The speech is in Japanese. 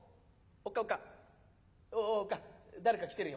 おっ母ぁ誰か来てるよ。